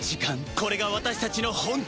これが私たちの本気よ。